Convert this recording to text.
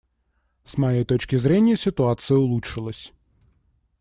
С моей точки зрения, ситуация улучшилась.